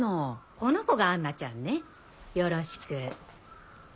この子が杏奈ちゃんねよろしく。